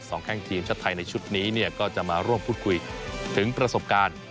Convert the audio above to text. แข้งทีมชาติไทยในชุดนี้เนี่ยก็จะมาร่วมพูดคุยถึงประสบการณ์